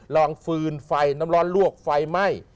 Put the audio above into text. องฟืนไฟน้ำร้อนลวกไฟไหม้